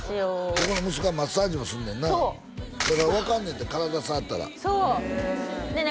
ここの息子はマッサージもすんねんなだから分かんねんて体触ったらそうでね